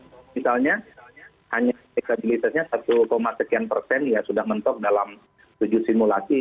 misalnya hanya elektabilitasnya satu sekian persen ya sudah mentok dalam tujuh simulasi